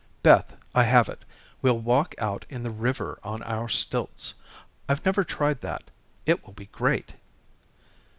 "Beth, I have it. We'll walk out in the river on our stilts. I've never tried that. It will be great."